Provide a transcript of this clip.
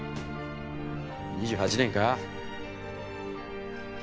２８年か？